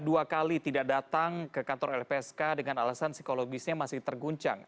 dua kali tidak datang ke kantor lpsk dengan alasan psikologisnya masih terguncang